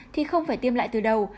thì không phải tiêm lại từ đầu